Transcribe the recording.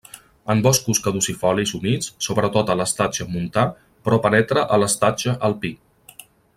En boscos caducifolis humits sobretot a l'estatge montà però penetra a l'estatge alpí.